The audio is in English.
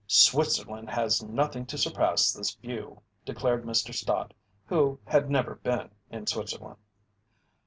"Switzerland has nothing to surpass this view!" declared Mr. Stott, who had never been in Switzerland.